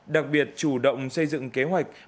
đặc biệt chủ động xây dựng kế hoạch